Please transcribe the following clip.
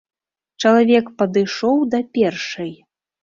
Чалавек падышоў да першай.